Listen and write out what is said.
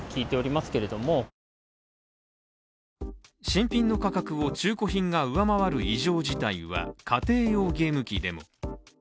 新品の価格を中古品が上回る異常事態は家庭用ゲーム機でも。